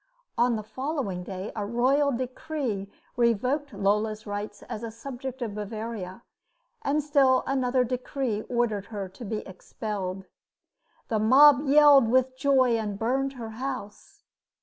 On the following day a royal decree revoked Lola's rights as a subject of Bavaria, and still another decree ordered her to be expelled. The mob yelled with joy and burned her house.